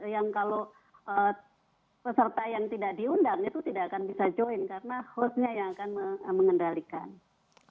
yang kalau peserta yang tidak diundang itu tidak akan bisa join karena hostnya yang akan mengendalikan